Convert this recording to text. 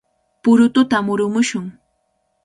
¡Purututa murumushun!